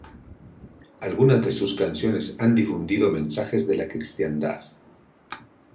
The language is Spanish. Algunas de sus canciones han difundido mensajes de la cristiandad.